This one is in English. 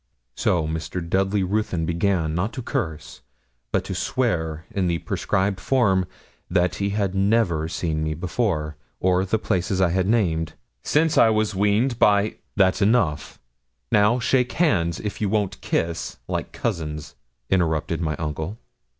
So Mr. Dudley Ruthyn began, not to curse, but to swear, in the prescribed form, that he had never seen me before, or the places I had named, 'since I was weaned, by ' 'That's enough now shake hands, if you won't kiss, like cousins,' interrupted my uncle.